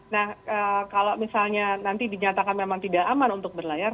nah kalau misalnya nanti dinyatakan memang tidak aman untuk berlayar